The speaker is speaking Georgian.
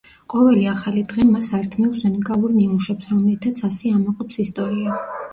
ყოველი ახალი დღე მას ართმევს უნიკალურ ნიმუშებს, რომლითაც ასე ამაყობს ისტორია.